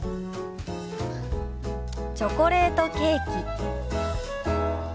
「チョコレートケーキ」。